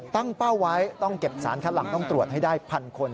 เป้าไว้ต้องเก็บสารคัดหลังต้องตรวจให้ได้พันคน